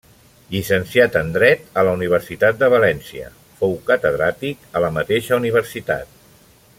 Llicenciat en dret a la Universitat de València, fou catedràtic a la mateixa universitat.